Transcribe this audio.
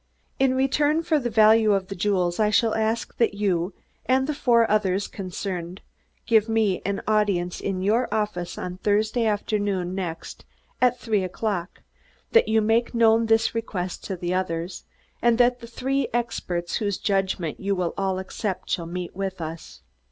In return for the value of the jewels I shall ask that you and the four others concerned give me an audience in your office on Thursday afternoon next at three o'clock; that you make known this request to the others; and that three experts whose judgment you will all accept shall meet with us.